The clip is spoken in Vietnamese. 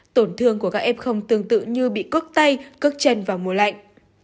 tổn thương của các em không tương tự như bị cốc tay cước chân vào mùa lạnh